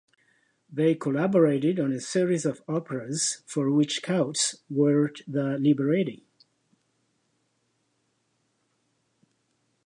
They collaborated on a series of operas, for which Coutts wrote the libretti.